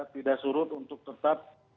tidak surut untuk tetap